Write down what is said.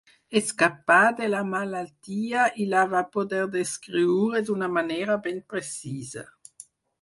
Escapà de la malaltia i la va poder descriure d'una manera ben precisa.